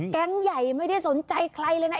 แก๊งใหญ่ไม่สนใจใครใบไล้นักนั้น